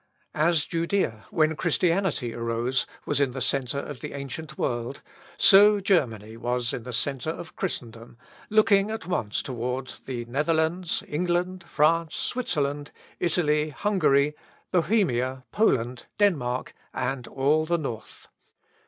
As Judea, when Christianity arose, was in the centre of the ancient world, so Germany was in the centre of Christendom, looking at once toward the Netherlands, England, France, Switzerland, Italy, Hungary, Bohemia, Poland, Denmark, and all the North.